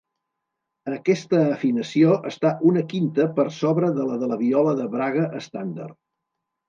Aquesta afinació està una quinta per sobre de la de la viola de Braga estàndard.